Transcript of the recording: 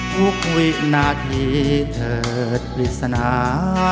ทุกวินาทีเธอธริสนา